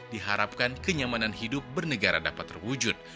diharapkan kenyamanan hidup bernegara dapat terwujud